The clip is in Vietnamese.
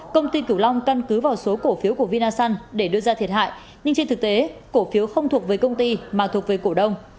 công ty cửu long căn cứ vào số cổ phiếu của vinasun để đưa ra thiệt hại nhưng trên thực tế cổ phiếu không thuộc với công ty mà thuộc về cổ đông